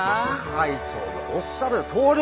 会長のおっしゃるとおり。